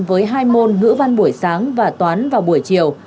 với hai môn ngữ văn buổi sáng và toán vào buổi chiều